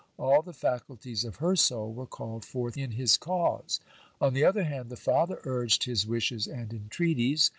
All the faculties of her soul were called forth in his cause. On the other hand, the father urged his wishes and entreaties.